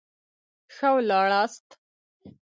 ښه ولاړاست.